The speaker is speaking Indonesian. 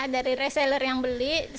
dari reseller yang beli